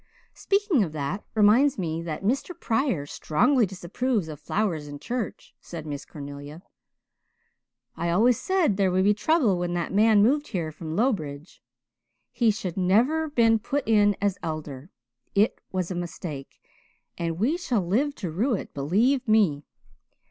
"Speaking of that reminds me that Mr. Pryor strongly disapproves of flowers in church," said Miss Cornelia. "I always said there would be trouble when that man moved here from Lowbridge. He should never have been put in as elder it was a mistake and we shall live to rue it, believe me!